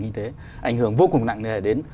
nghị tế ảnh hưởng vô cùng nặng hề đến